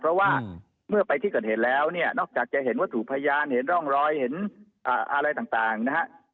เพราะว่าเมื่อไปที่เกิดเหตุแล้วเนี่ยนอกจากจะเห็นวัตถุพยานเห็นร่องรอยเห็นอะไรต่างนะฮะ